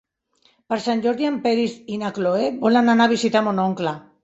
Per Sant Jordi en Peris i na Cloè volen anar a visitar mon oncle.